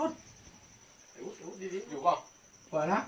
เปิดแหละ